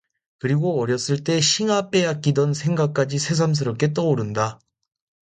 그리고 어렸을 때 싱아 빼앗기던 생각까지 새삼스럽게 떠오른다.